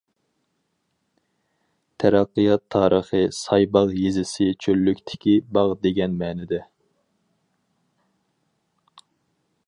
تەرەققىيات تارىخى سايباغ يېزىسى چۆللۈكتىكى باغ دېگەن مەنىدە.